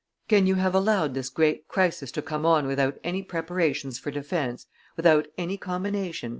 "Can you have allowed this great crisis to come on without any preparations for defence, without any combination?"